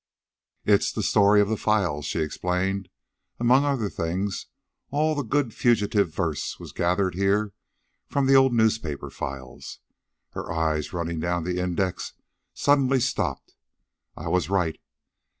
"It's 'The Story of the Files,'" she explained. "Among other things, all the good fugitive verse was gathered here from the old newspaper files." Her eyes running down the index suddenly stopped. "I was right.